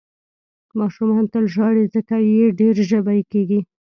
ماشومان تل ژاړي، ځکه یې ډېر ژبۍ کېږي.